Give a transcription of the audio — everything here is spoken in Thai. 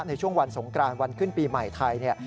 ในช่วงวันสงกรานวันขึ้นปีใหม่ไทยเนี่ย